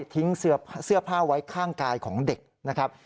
ทิ้งเสื้อผ้าไว้ข้างกายของเด็กนะครับ